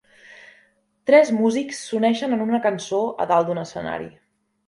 Tres músics s'uneixen en una cançó a dalt d'un escenari.